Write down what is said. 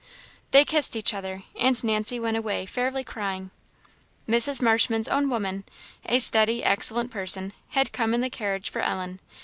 They kissed each other, and Nancy went away fairly crying. Mrs. Marshman's own woman, a steady, excellent person, had come in the carriage for Ellen.